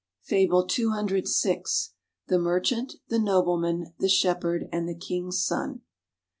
FABLE CCVI. THE MERCHANT, THE NOBLEMAN, THE SHEPHERD, AND THE KING'S SON.